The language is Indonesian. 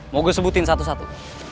mau gue sebutin satu satu